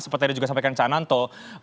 seperti yang sudah disampaikan cananto